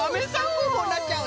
こうぼうになっちゃう。